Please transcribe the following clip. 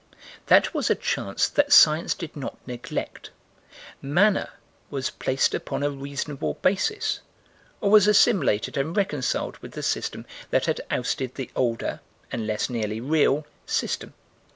That was a chance that science did not neglect. Manna was placed upon a reasonable basis, or was assimilated and reconciled with the system that had ousted the older and less nearly real system.